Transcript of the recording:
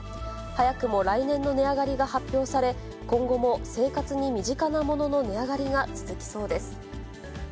早くも来年の値上がりが発表され、今後も生活に身近なものの値上がりが続きそうです。